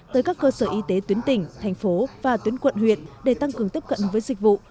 tới các cơ sở y tế tuyến tỉnh thành phố và tuyến quận huyện để tăng cường tiếp cận với dịch vụ